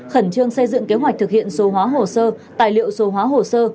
khẩn trương xây dựng kế hoạch thực hiện số hóa hồ sơ tài liệu số hóa hồ sơ